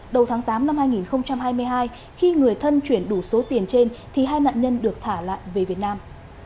đầu tháng tám năm hai nghìn hai mươi hai khi người thân chuyển đủ số tiền trên thì hai nạn nhân được thả lại về việt nam